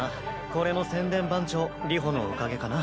これも宣伝番長流星のおかげかな。